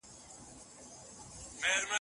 پاملرنه به برابر سي.